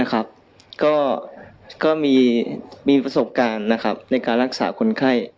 ก็มีประสบการณ์ในการรักษาคนไข้